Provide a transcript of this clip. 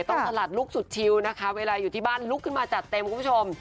สลัดลูกสุดชิวนะคะเวลาอยู่ที่บ้านลุกขึ้นมาจัดเต็มคุณผู้ชม